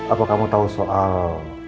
apa kamu tahu soal